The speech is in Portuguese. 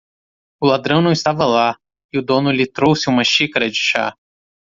O ladrão não estava lá? e o dono lhe trouxe uma xícara de chá.